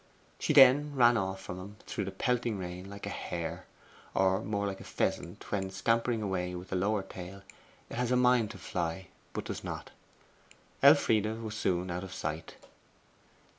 She then ran off from him through the pelting rain like a hare; or more like a pheasant when, scampering away with a lowered tail, it has a mind to fly, but does not. Elfride was soon out of sight.